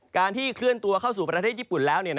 การที่เคลื่อนตัวเข้าสู่ประเทศญี่ปุ่นแล้ว